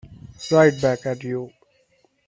Right back at you.